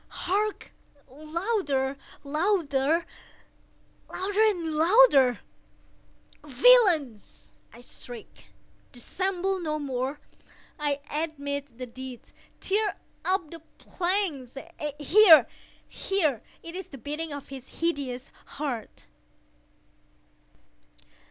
—hark! louder! louder! louder! louder! "Villains!" I shrieked, "dissemble no more! I admit the deed!—tear up the planks!—here, here!—It is the beating of his hideous heart!"